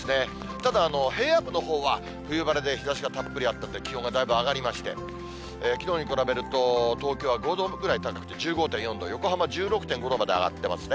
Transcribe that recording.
ただ平野部のほうは、冬晴れで、日ざしがたっぷりあったんで、気温がだいぶ上がりまして、きのうに比べると、東京は５度ぐらい高くて、１５．４度、横浜１６．５度まで上がってますね。